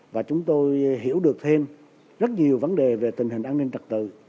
và chúng tôi hiểu được thêm rất nhiều vấn đề về tình hình an ninh trật tự